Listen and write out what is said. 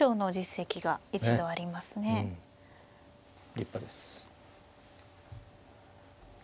立派です。